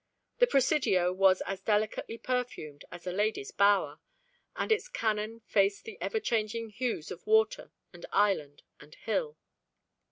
The Presidio was as delicately perfumed as a lady's bower, and its cannon faced the ever changing hues of water and island and hill.